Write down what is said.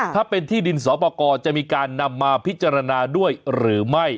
ถ้าเป็นที่ดินสอปกรจะมีการนำมาพิจารณาด้วยหรือไม่